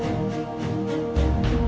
dia punya kota spania